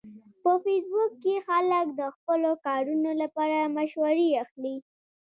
په فېسبوک کې خلک د خپلو کارونو لپاره مشورې اخلي